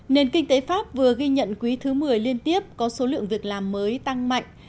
nền kinh tế pháp vừa ghi nhận quý thứ một mươi liên tiếp có số lượng việc làm mới tăng mạnh